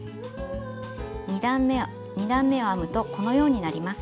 ２段めを編むとこのようになります。